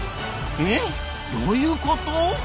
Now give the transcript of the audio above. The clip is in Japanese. えどういうこと？